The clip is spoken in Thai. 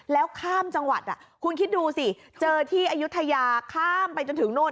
แล้วข้ามจังหวัดคุณคิดดูสิเจอที่อายุทยาข้ามไปจนถึงโน่น